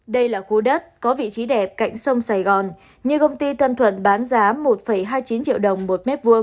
đây là khu đất có vị trí đẹp cạnh sông sài gòn nhưng công ty tân thuận bán giá một hai mươi chín triệu đồng một m hai